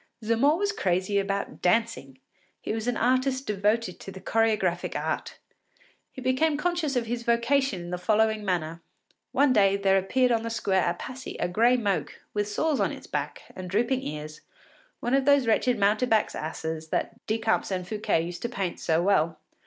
Zamore was crazy about dancing. He was an artist devoted to the choregraphic art. He became conscious of his vocation in the following manner. One day there appeared on the square at Passy a gray moke, with sores on its back, and drooping ears, one of those wretched mountebanks’ asses that Decamps and Fouquet used to paint so well.